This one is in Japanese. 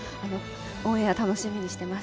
オンエア楽しみにしています。